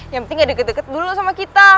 yang penting ya deket deket dulu sama kita